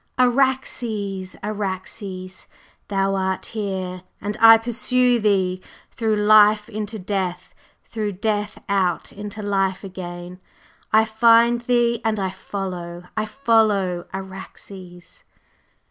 "Araxes! … Araxes! Thou art here, and I pursue thee! Through life into death; through death out into life again! I find thee and I follow! I follow! Araxes!